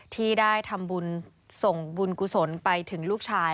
ที่ได้ทำบุญส่งบุญกุศลไปถึงลูกชาย